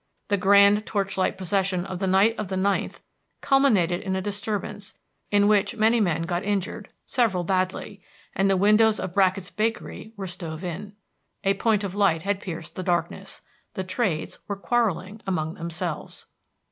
The grand torchlight procession on the night of the ninth culminated in a disturbance, in which many men got injured, several badly, and the windows of Brackett's bakery were stove in. A point of light had pierced the darkness, the trades were quarreling among themselves!